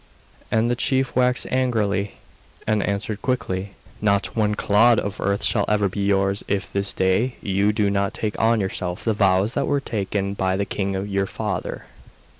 And the chief waxed angry, and answered quickly: 'Not one clod of earth shall ever be yours if this day you do not take on yourself the vows that were taken by the king your father.